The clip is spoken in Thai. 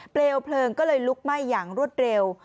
เปลวเพลิงก็เลยลุกไหม้อย่างรวดเร็ว